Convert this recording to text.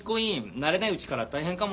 慣れないうちから大変かも。